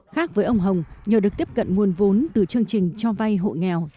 khác với ông hồng nhờ được tiếp cận nguồn vốn từ chương trình cho vay hộ nghèo